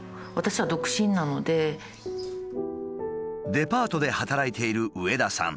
デパートで働いている上田さん。